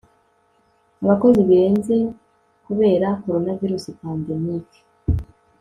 Abakozi Birenze Kubera Coronavirus Pandemic